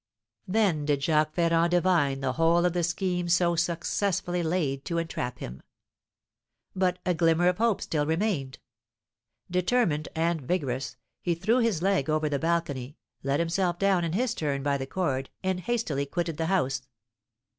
Then did Jacques Ferrand divine the whole of the scheme so successfully laid to entrap him; but a glimmer of hope still remained. Determined and vigorous, he threw his leg over the balcony, let himself down in his turn by the cord, and hastily quitted the house.